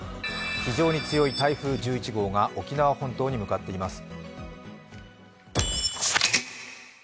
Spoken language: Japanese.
非常に強い台風１１号が沖縄本島に向かっています。